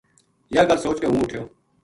یاہ گل سوچ کے ہوں اُٹھیو